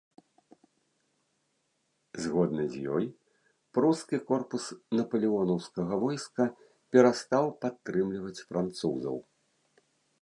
Згодна з ёй прускі корпус напалеонаўскага войска перастаў падтрымліваць французаў.